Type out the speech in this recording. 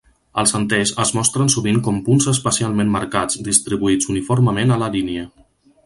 Els enters es mostren sovint com punts especialment marcats, distribuïts uniformement a la línia.